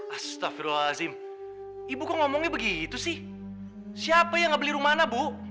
astagfirullahalazim ibu kok ngomongnya begitu sih siapa yang gak beli rumana bu